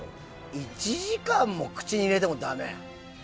１時間口に入れてもだめ？